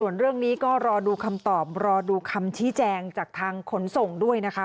ส่วนเรื่องนี้ก็รอดูคำตอบรอดูคำชี้แจงจากทางขนส่งด้วยนะคะ